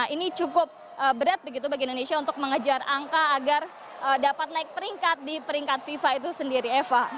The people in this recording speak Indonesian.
ini cukup berat begitu bagi indonesia untuk mengejar angka agar dapat naik peringkat di peringkat fifa itu sendiri eva